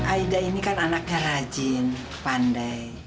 aida ini kan anaknya rajin pandai